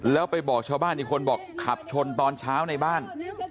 แล้วไปบอกชาวบ้านอีกคนบอกขับชนตอนเช้าในบ้าน